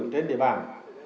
trên địa bàn